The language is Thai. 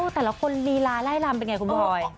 แต่ละคนลีลาไล่ลำเป็นไงคุณผู้ชม